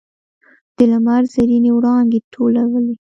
د لمر زرینې وړانګې ټولولې.